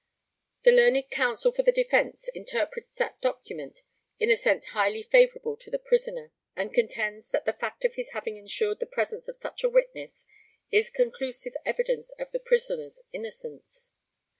The learned counsel for the defence interprets that document in a sense highly favourable to the prisoner, and contends that the fact of his having insured the presence of such a witness is conclusive evidence of the prisoner's innocence.